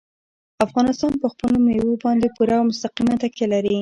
افغانستان په خپلو مېوو باندې پوره او مستقیمه تکیه لري.